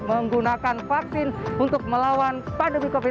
menggunakan vaksin untuk melawan pandemi covid sembilan belas